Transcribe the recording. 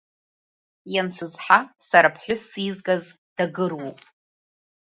Иансызҳа, сара ԥҳәысс изгаз дагыруоуп.